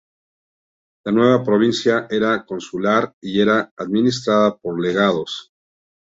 La nueva provincia era consular y era administrada por legados.